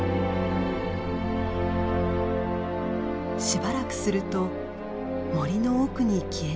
しばらくすると森の奥に消えていきました。